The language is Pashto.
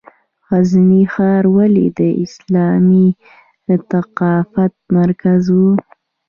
غزني ښار ولې د اسلامي ثقافت مرکز و؟